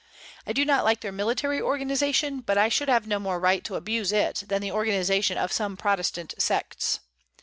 I do not like their military organization, but I should have no more right to abuse it than the organization of some Protestant sects.